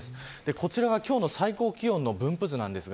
こちらが今日の最高気温の分布図です。